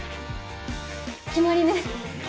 決まりね！